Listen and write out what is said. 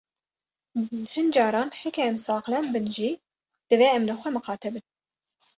Hin caran heke em saxlem bin jî divê em li xwe miqate bin.